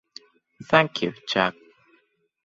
Thank you, Jack.